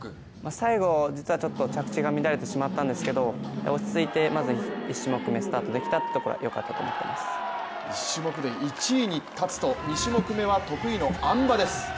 最後実はちょっと着地が乱れてしまったんですけれども、落ち着いて、まず１種目目スタートできたということは１種目で１位に立つと２種目めは得意のあん馬です。